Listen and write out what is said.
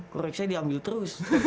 korek saya diambil terus